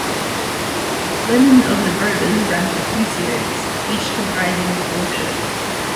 Lenin of the Rovers ran for two series, each comprising four shows.